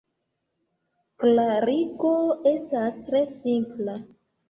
Klarigo estas tre simpla.